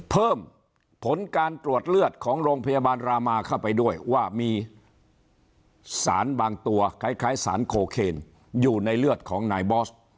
เพิ่มผลการตรวจเลือดของโรงพยาบาลรามาเข้าไปด้วยว่ามีสารบางตัวคล้ายสารโคเคนอยู่ในเลือดของนายบอส